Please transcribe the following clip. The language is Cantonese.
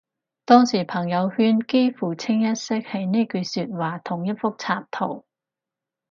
當時朋友圈幾乎清一色係呢句說話同一幅插圖